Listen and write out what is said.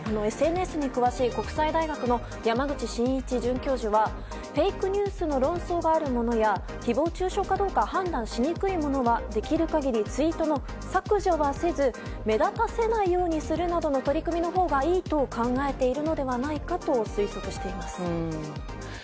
ＳＮＳに詳しい国際大学の山口真一准教授はフェイクニュースの論争があるものや誹謗中傷かどうか判断しにくいものはできる限りツイートの削除はせず目立たせないようにするなどの取り組みのほうがいいと考えているのではないかと推測しています。